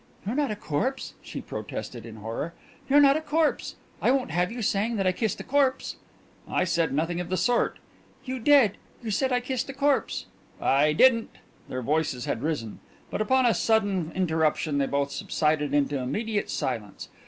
"You're not a corpse!" she protested in horror. "You're not a corpse! I won't have you saying that I kissed a corpse!" "I said nothing of the sort!" "You did! You said I kissed a corpse!" "I didn't!" Their voices had risen, but upon a sudden interruption they both subsided into immediate silence.